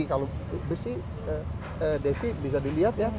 kalau besi desi bisa dilihat ya